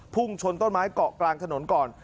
พุ่งชนต้นไม้เกาะกลางถนนก่อน